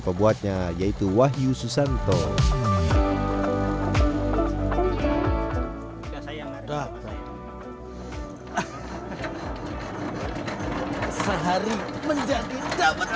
pembuatnya yaitu wahyu susanto sehari menjadi dapat ayo